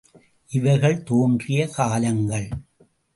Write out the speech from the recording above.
இவைகள் தோன்றிய காலங்கள்.